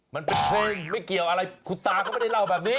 มันเป็นเพลงไม่เกี่ยวอะไรคุณตาก็ไม่ได้เล่าแบบนี้